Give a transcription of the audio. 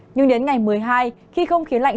nhưng đến ngày một mươi hai khi không khí lạnh